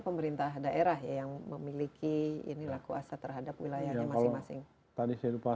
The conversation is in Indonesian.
pemerintah daerah yang memiliki inilah kuasa terhadap wilayahnya masing masing tadi saya lupa